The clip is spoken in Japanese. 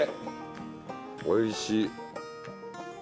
おいしい。